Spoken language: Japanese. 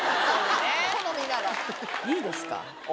いいですか？